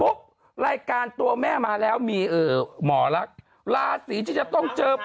รายการตัวแม่มาแล้วมีหมอรักราศีที่จะต้องเจอ